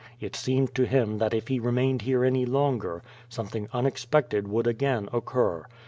It seemed to him that if he remained liere any longer, something unexpected would again occur.